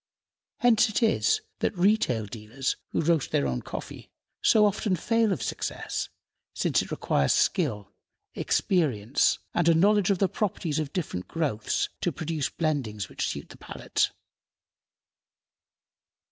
Hence it is that retail dealers, who roast their own coffee, so often fail of success, since it requires skill, experience, and a knowledge of the properties of different growths to produce blendings which suit the palate.